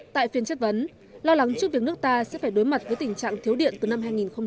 tại phiên chất vấn lo lắng trước việc nước ta sẽ phải đối mặt với tình trạng thiếu điện từ năm hai nghìn hai mươi